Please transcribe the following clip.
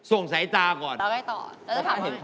ส่งสายตาก่อน